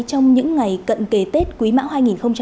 cận kề tết quý mão hai nghìn hai mươi ba